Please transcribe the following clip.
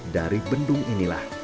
dari bendung inilah